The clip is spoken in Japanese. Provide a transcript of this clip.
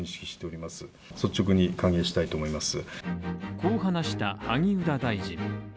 こう話した萩生田大臣。